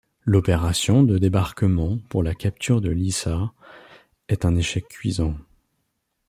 L'opération de débarquement pour la capture de Lissa est un échec cuisant.